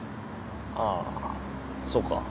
ああそうか。